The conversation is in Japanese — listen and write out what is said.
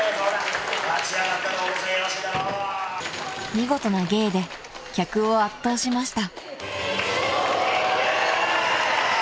［見事な芸で客を圧倒しました］